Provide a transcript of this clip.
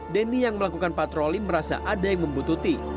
denny yang melakukan patroli merasa ada yang membutuhkan